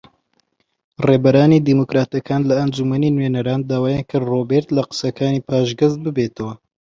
ڕێبەرانی دیموکراتەکان لە ئەنجومەنی نوێنەران داوایان کرد ڕۆبێرت لە قسەکانی پاشگەز ببێتەوە